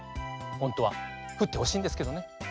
ほんとはふってほしいんですけどね。